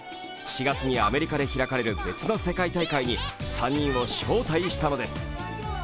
４月にアメリカで開かれる別の世界大会に３人を招待したのです。